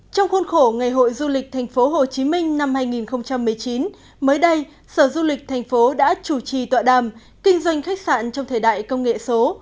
trong khuôn khổ ngày hội du lịch tp hcm năm hai nghìn một mươi chín mới đây sở du lịch thành phố đã chủ trì tọa đàm kinh doanh khách sạn trong thời đại công nghệ số